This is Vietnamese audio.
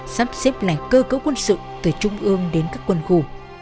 sắp xếp lại cơ cấu quân sự từ trung ương đến các quân khu